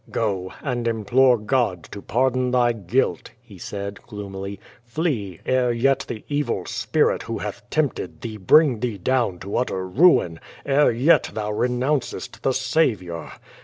"Go, and implore God to pardon thy guilt,'' he said, gloom ily. "Flee ere yet the evil spirit who hath tempted tliee bring thee down to utter ruin, ere yet thou renouncest the Saviour.